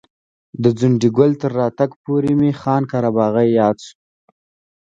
د ځونډي ګل تر راتګ پورې مې خان قره باغي یاد شو.